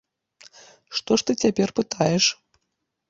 Што ж ты цяпер пытаеш!